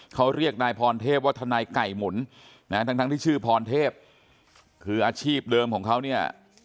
เขาเรียกนายพรเทพว่าทนายไก่หมุนนะทั้งทั้งที่ชื่อพรเทพคืออาชีพเดิมของเขาเนี่ย